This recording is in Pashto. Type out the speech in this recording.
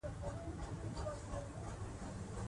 دا زموږ حق دی او موږ یې غواړو.